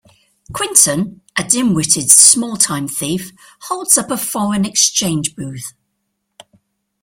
Quentin, a dim-witted small-time thief, holds up a foreign exchange booth.